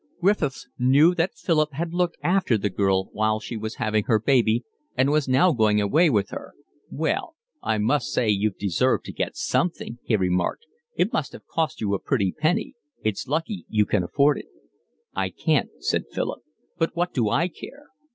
Griffiths knew that Philip had looked after the girl while she was having her baby and was now going away with her. "Well, I must say you've deserved to get something," he remarked. "It must have cost you a pretty penny. It's lucky you can afford it." "I can't," said Philip. "But what do I care!"